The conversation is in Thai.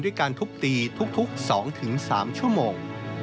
การทุบตีทุก๒๓ชั่วโมง